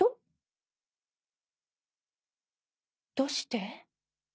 どうして？